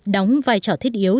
đóng vai trò thiết yếu